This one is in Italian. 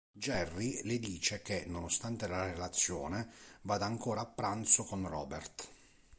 Jerry le dice che, nonostante la relazione, vada ancora a pranzo con Robert.